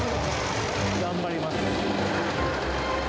頑張ります。